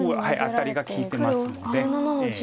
アタリが利いてますので。